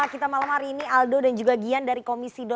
kita malam hari ini aldo dan juga gian dari komisi dua